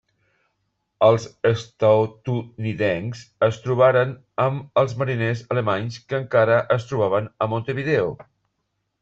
Els estatunidencs es trobaren amb els mariners alemanys, que encara es trobaven a Montevideo.